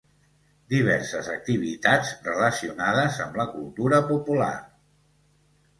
Diverses activitats relacionades amb la cultura popular.